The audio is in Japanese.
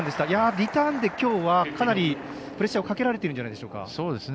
リターンできょうはかなりプレッシャーかけられているんじゃないでしょうか。